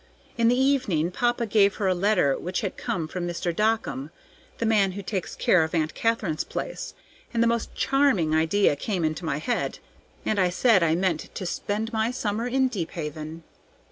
In the evening papa gave her a letter which had come from Mr. Dockum, the man who takes care of Aunt Katharine's place, and the most charming idea came into my head, and I said I meant to spend my summer in Deephaven.